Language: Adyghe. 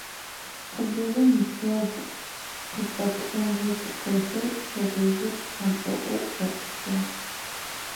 Къыдырым ылъэгу къычӀэплъэн ыгу хэлъэу тыгъужъыр хьампӀэӏоу къэтӀысыгъ.